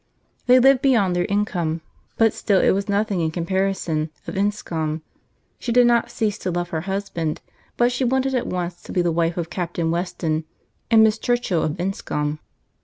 They lived beyond their income, but still it was nothing in comparison of Enscombe: she did not cease to love her husband, but she wanted at once to be the wife of Captain Weston, and Miss Churchill of Enscombe.